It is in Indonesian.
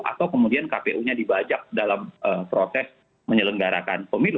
atau kemudian kpu nya dibajak dalam proses menyelenggarakan pemilu